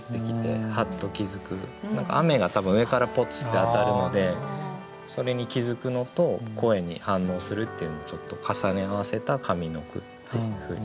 何か雨が多分上からポツッて当たるのでそれに気付くのと声に反応するっていうのをちょっと重ね合わせた上の句っていうふうにしてみました。